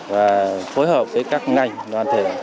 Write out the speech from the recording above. và phối hợp với các ngành đoàn thể